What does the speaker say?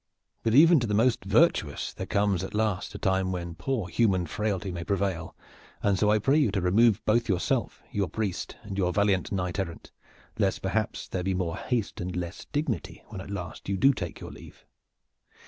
But even to the most virtuous there comes at last a time when poor human frailty may prevail, and so I pray you to remove both yourself, your priest and your valiant knight errant, lest perhaps there be more haste and less dignity when at last you do take your leave.